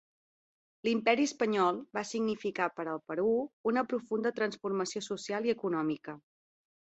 L'imperi espanyol va significar per al Perú una profunda transformació social i econòmica.